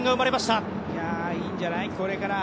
いやあ、いいんじゃない？